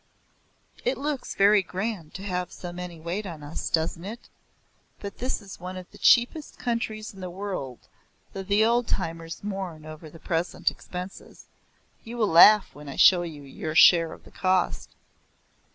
"It looks very grand to have so many to wait upon us, doesn't it? But this is one of the cheapest countries in the world though the old timers mourn over present expenses. You will laugh when I show you your share of the cost."